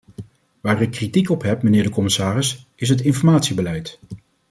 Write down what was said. Waar ik kritiek op heb, mijnheer de commissaris, is het informatiebeleid.